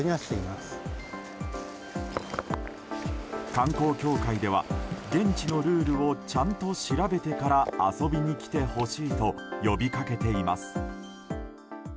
観光協会では現地のルールをちゃんと調べてから遊びに来てほしいと呼びかけています。